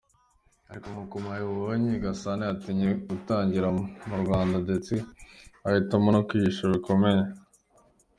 ariko nk’uko mwabibonye Gasana yatinye gukandagira mu Rwanda ndetse ahitamo no kwihisha bikomeye!